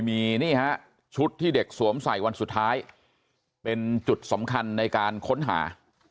มีนี่ฮะชุดที่เด็กสวมใส่วันสุดท้ายเป็นจุดสำคัญในการค้นหา